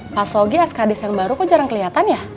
pak sogi skds yang baru kok jarang kelihatan ya